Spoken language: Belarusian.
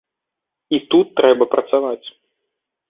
І тут трэба працаваць.